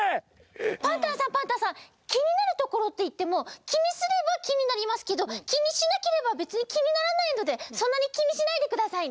パンタンさんパンタンさんきになるところっていってもきにすればきになりますけどきにしなければべつにきにならないのでそんなにきにしないでくださいね。